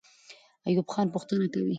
ایوب خان پوښتنه کوي.